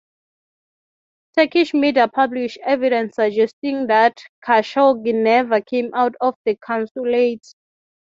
Turkish media published evidence suggesting that Khashoggi never came out of the consulate.